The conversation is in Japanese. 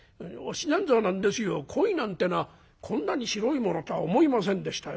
コイなんてのはこんなに白いものとは思いませんでしたよ。